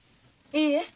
いいえ。